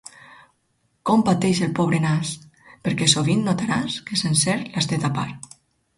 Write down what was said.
Com pateix el pobre nas! Perquè sovint notaràs, que sencer l'has de tapar.